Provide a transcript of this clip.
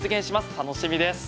楽しみです。